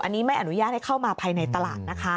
อันนี้ไม่อนุญาตให้เข้ามาภายในตลาดนะคะ